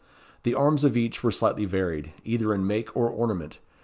The arms of each were slightly varied, either in make or ornament.